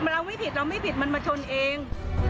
เราไม่ผิดมันมาชนเอง